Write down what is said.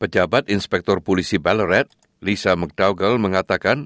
pejabat inspektor polisi ballarat lisa mcdougall mengatakan